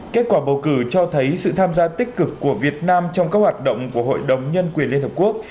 kết quả bầu cử cho thấy sự tham gia tích cực của việt nam trong các hoạt động của hội đồng nhân quyền liên hợp quốc